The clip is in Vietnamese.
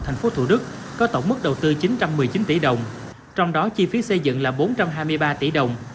thành phố thủ đức có tổng mức đầu tư chín trăm một mươi chín tỷ đồng trong đó chi phí xây dựng là bốn trăm hai mươi ba tỷ đồng